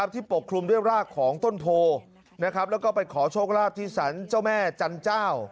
ปกคลุมด้วยรากของต้นโพแล้วก็ไปขอโชคลาภที่สรรเจ้าแม่จันเจ้า